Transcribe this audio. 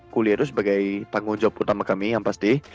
kuliah itu sebagai tanggung jawab utama kami yang pasti